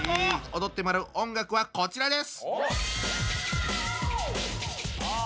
踊ってもらう音楽はこちらです。